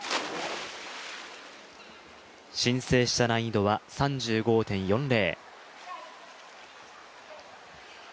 申請した難易度は３５．４０。